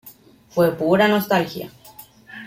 Fue pura nostalgia.